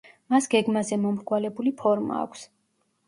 მას გეგმაზე მომრგვალებული ფორმა აქვს.